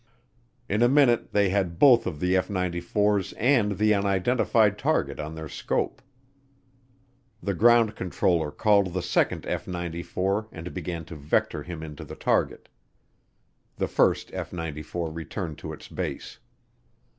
In a minute they had both of the F 94's and the unidentified target on their scope. The ground controller called the second F 94 and began to vector him into the target. The first F 94 returned to its base.